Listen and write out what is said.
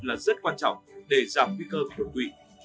là rất quan trọng để giảm nguy cơ đột quỵ